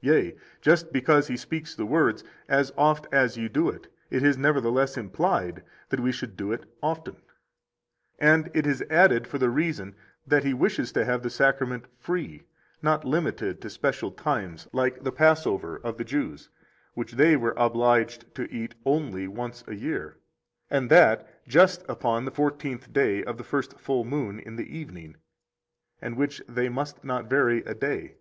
Yea, just because He speaks the words, As oft as ye do it, it is nevertheless implied that we should do it often; and it is added for the reason that He wishes to have the Sacrament free, not limited to special times, like the Passover of the Jews, which they were obliged to eat only once a year, and that just upon the fourteenth day of the first full moon in the evening, and which they must not vary a day.